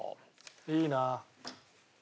いいなあ。